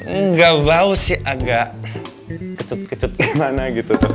enggak bau sih agak kecut kecut gimana gitu